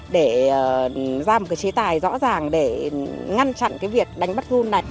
để ra một cái chế tài rõ ràng để ngăn chặn cái việc đánh bắt run này